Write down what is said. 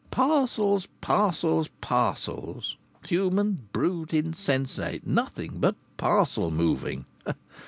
Parcels! Parcels! Parcels, human, brute, insensate! Nothing but parcel moving!